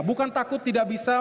bukan takut tidak bisa